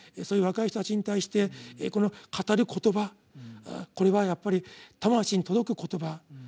そういう若い人たちに対してこの語る言葉これはやっぱり魂に届く言葉